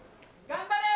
頑張れ！